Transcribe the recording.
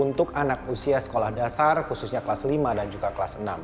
untuk anak usia sekolah dasar khususnya kelas lima dan juga kelas enam